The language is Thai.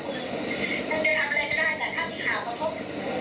ต้องลงกับมันไปแล้วถ้าเป็นนั่นคุณก็ต้อง